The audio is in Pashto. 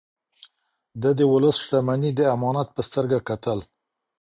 ده د ولس شتمني د امانت په سترګه کتل.